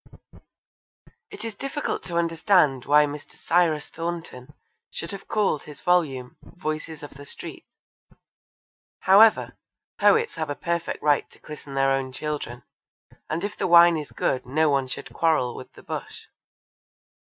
It is difficult to understand why Mr. Cyrus Thornton should have called his volume Voices of the Street. However, poets have a perfect right to christen their own children, and if the wine is good no one should quarrel with the bush.